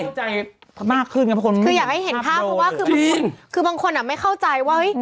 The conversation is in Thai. พี่แจงถึงคืออยากให้เห็นภาพเพราะว่าคือบางคนไม่เข้าใจว่า